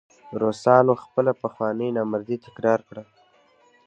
روسانو خپله پخوانۍ نامردي تکرار کړه.